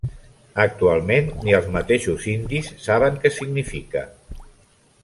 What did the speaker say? Actualment ni els mateixos indis saben que significa.